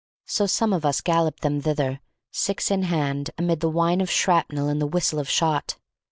So some of us galloped them thither, six in hand, amid the whine of shrapnel and the whistle of shot.